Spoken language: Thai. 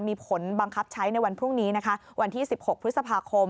มีผลบังคับใช้ในวันพรุ่งนี้นะคะวันที่๑๖พฤษภาคม